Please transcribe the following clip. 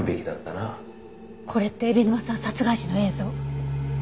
これって海老沼さん殺害時の映像？